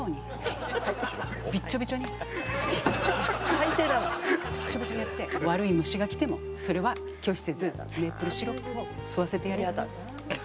ビッチョビチョにやって悪い虫が来てもそれは拒否せずメープルシロップを吸わせてやれば。